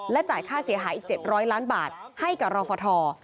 และจ่ายค่าเสียหายอีกเจ็ดร้อยล้านบาทให้กับรอฟท